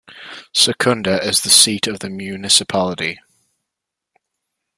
Secunda is the seat of the municipality.